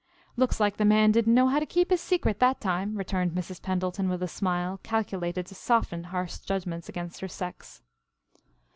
"Looks like the man didn't know how to keep his secret that time," returned Mrs. Pendleton with a smile calculated to soften harsh judgments against her sex.